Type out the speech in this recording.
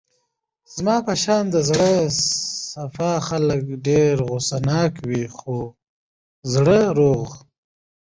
زما په شان د زړه صاف خلګ ډېر غوسه ناکه وي خو زړه روغ.